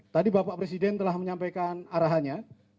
tadi bapak presiden telah menyampaikan arahannya